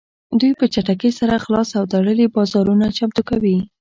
دوی په چټکۍ سره خلاص او تړلي بازارونه چمتو کوي